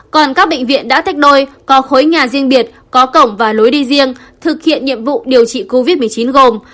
còn các bệnh viện đã tách đôi có khối nhà riêng biệt có cổng và lối đi riêng thực hiện nhiệm vụ điều trị covid một mươi chín gồm